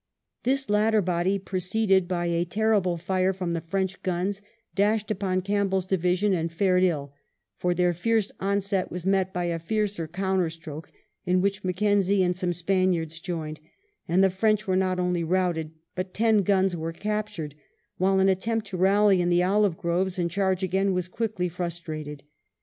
This latter body, preceded by a terrible fire from the French guns, dashed upon Campbell's division and fared ill, for their fierce onset was met by a fiercer counterstroke, in which Mackenzie and some Spaniards joined, and the French were not only routed, but ten guns were captured, while an attempt to rally in the olive groves and charge again was quickly frustrated.